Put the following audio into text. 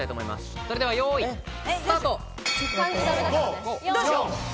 それでは、よい、スタート！